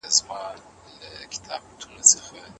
ځمکه بې تخمه نه کرل کېږي.